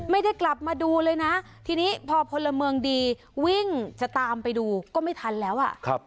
ไม่ได้กลับมาดูเลยนะทีนี้พอพลเมืองดีวิ่งจะตามไปดูก็ไม่ทันแล้วอ่ะ